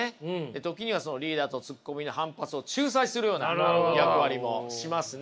時にはリーダーとツッコミの反発を仲裁するような役割もしますね。